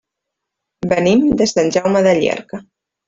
Venim de Sant Jaume de Llierca.